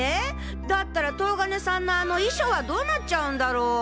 だったら東金さんのあの遺書はどうなっちゃうんだろ？